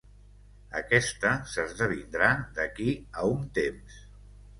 Aquesta s'esdevindrà d'aquí a un temps.